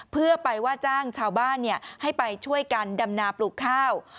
เพื่อไปว่าจ้างชาวบ้านให้ไปช่วยกันดำนาปลูกข้าว